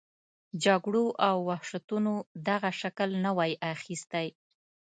جګړو او وحشتونو دغه شکل نه وای اخیستی.